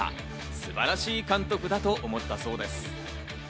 素晴らしい監督だと思ったそうです。